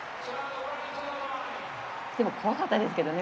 でも怖かったですけどね